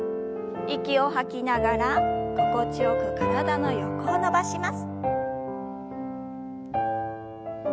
息を吐きながら心地よく体の横を伸ばします。